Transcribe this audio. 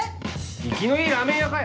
生きのいいラーメン屋かよ！